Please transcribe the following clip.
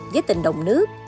với tình đồng nước